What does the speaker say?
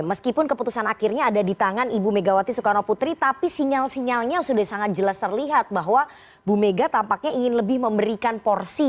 meskipun keputusan akhirnya ada di tangan ibu megawati soekarno putri tapi sinyal sinyalnya sudah sangat jelas terlihat bahwa bu mega tampaknya ingin lebih memberikan porsi